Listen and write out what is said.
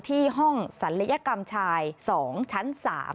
ที่ห้องศัลยกรรมชาย๒ชั้น๓